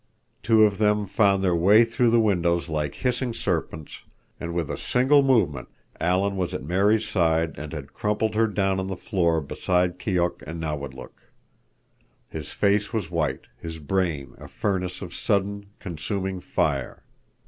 Two of them found their way through the windows like hissing serpents, and with a single movement Alan was at Mary's side and had crumpled her down on the floor beside Keok and Nawadlook. His face was white, his brain a furnace of sudden, consuming fire.